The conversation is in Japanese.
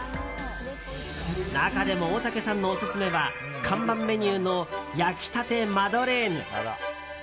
中でも大竹さんのオススメは看板メニューの焼き立てマドレーヌ。